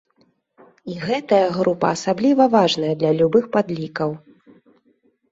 І гэтая група асабліва важная для любых падлікаў.